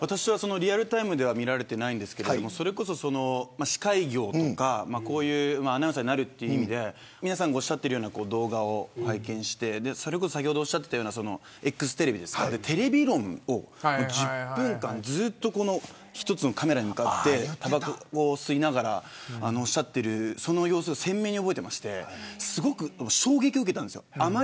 リアルタイムでは見ていないんですけど司会業とかアナウンサーになるという意味で皆さんが言っているような動画を拝見してＥＸテレビでテレビ論を１０分間ずっと１つのカメラに向かってたばこを吸いながらおっしゃっているその様子を鮮明に覚えていてすごく衝撃を受けたんです。